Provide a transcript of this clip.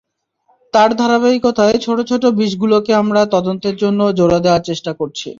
তার ধারাবাহিকতায় ছোট ছোট বিষগুলোকে আমরা তদন্তের জন্য জোড়া দেওয়ার চেষ্টা করছি।